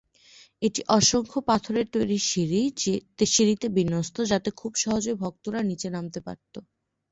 এটি অসংখ্য পাথরের তৈরি সিঁড়ি তে বিন্যস্ত যাতে খুব সহজে ভক্তরা নিচে নামতে পারত।